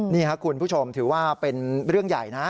นี่ครับคุณผู้ชมถือว่าเป็นเรื่องใหญ่นะ